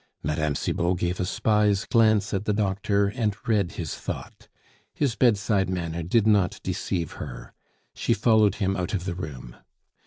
Mme. Cibot gave a spy's glance at the doctor, and read his thought; his bedside manner did not deceive her; she followed him out of the room.